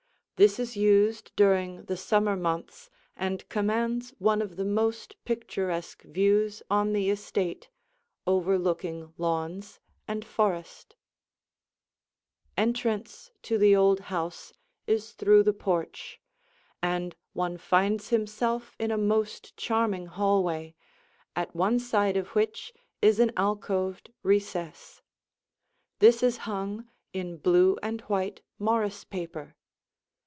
This is used during the summer months and commands one of the most picturesque views on the estate, overlooking lawns and forest. [Illustration: The Entrance Porch] [Illustration: The Stairway] Entrance to the old house is through the porch, and one finds himself in a most charming hallway, at one side of which is an alcoved recess. This is hung in blue and white Morris paper.